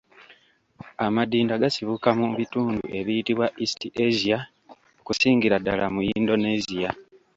Amadinda gasibuka mu bitundu ebiyitibwa East Asia okusingira ddala mu Yindoneziya.